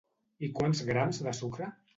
I quants grams de sucre?